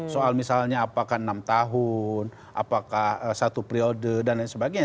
soal misalnya apakah enam tahun apakah satu periode dan lain sebagainya